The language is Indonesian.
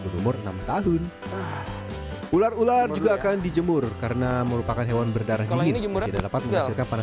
berumur enam tahun ular ular juga akan dijemur karena merupakan hewan berdarah dingin tidak dapat menghasilkan para